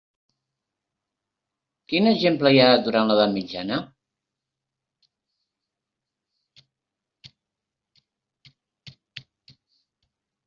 Quin exemple hi ha durant l'edat mitjana?